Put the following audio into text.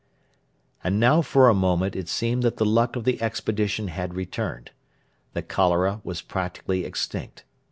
And now for a moment it seemed that the luck of the expedition had returned. The cholera was practically extinct.